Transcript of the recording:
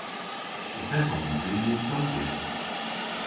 Yth esons i yn Tokyo.